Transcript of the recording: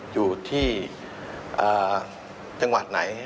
อยู่ชีวิตที่จังหวัดไหน